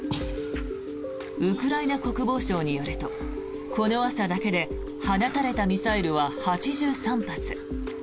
ウクライナ国防省によるとこの朝だけで放たれたミサイルは８３発。